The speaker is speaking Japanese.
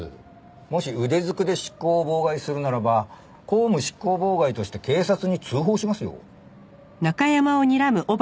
もし腕ずくで執行を妨害するならば公務執行妨害として警察に通報しますよ。